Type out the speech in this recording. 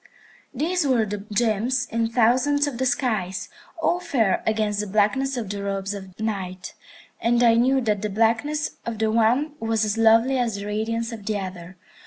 These were the gems in thousands of the skies, all fair against the blackness of the robes of Night, and I knew that the blackness of the one was as lovely as the radiance of the other.